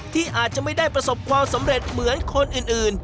ที่อาจจะไม่ได้ประสบความสำเร็จเหมือนคนอื่น